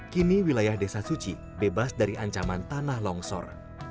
kini wilayah desa suci bebas dari ancaman tanah longsor